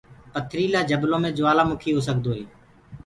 پٿريٚلآ جنلو مي جوآلآ مُڪي هوڪسدو هي۔